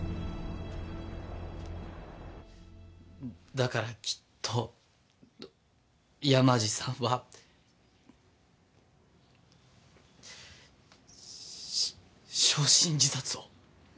だからきっと山路さんは。焼身自殺を。